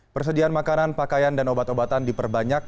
persediaan makanan pakaian dan obat obatan diperbanyak